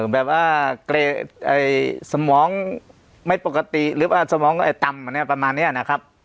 แบบว่าเกรดสมองไม่ปกติหรือว่าสมองต่ำประมาณนี้นะครับ